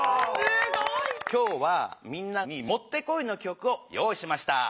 今日はみんなにもってこいのきょくを用いしました。